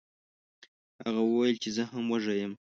هغه وویل چې زه هم وږی یم.